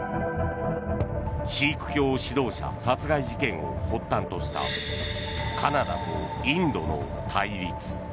シーク教指導者殺害事件を発端としたカナダとインドの対立。